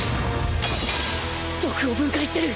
毒を分解してる！